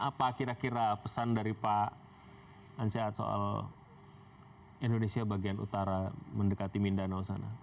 apa kira kira pesan dari pak ansyad soal indonesia bagian utara mendekati mindanao sana